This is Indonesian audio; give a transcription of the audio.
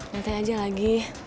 nanti aja lagi